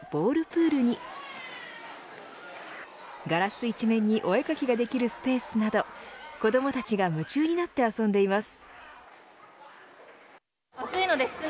プールにガラス一面にお絵描きができるスペースなど子どもたちが夢中になって遊んでいます。